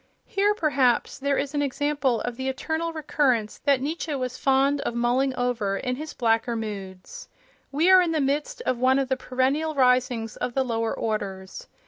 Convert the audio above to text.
Here, perhaps, there is an example of the eternal recurrence that Nietzsche was fond of mulling over in his blacker moods. We are in the midst of one of the perennial risings of the lower orders.